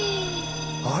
あれ？